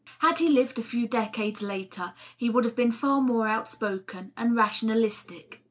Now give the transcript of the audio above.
Had he lived a few decades later, he would have been far more outspoken and rationalistic.